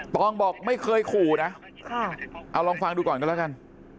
ตองบอกไม่เคยขู่นะเอาลองฟังดูก่อนกันแล้วกัน